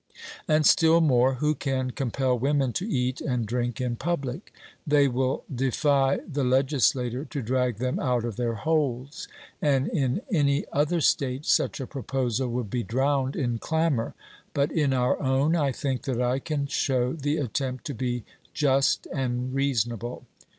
And still more, who can compel women to eat and drink in public? They will defy the legislator to drag them out of their holes. And in any other state such a proposal would be drowned in clamour, but in our own I think that I can show the attempt to be just and reasonable.